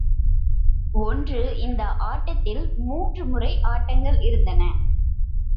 ஒன்று இந்த ஆட்டத்தில் மூன்று முறை ஆட்டங்கள் இருந்தன.